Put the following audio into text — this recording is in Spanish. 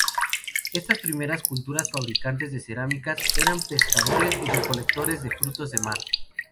Estas primeras culturas fabricantes de cerámicas eran pescadores y recolectores de frutos de mar.